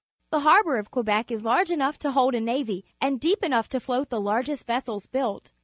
The harbour of Quebec is l arge enough to ho ld a n avy and deep enough to float the largest vessels built.